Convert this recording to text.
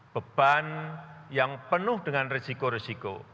beban yang penuh dengan risiko risiko